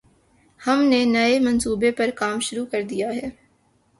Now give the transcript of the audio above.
ہم نے نئے منصوبے پر کام شروع کر دیا ہے۔